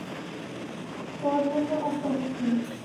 তোর জন্য উপহার এনেছি।